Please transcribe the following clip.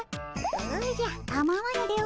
おじゃかまわぬでおじゃる。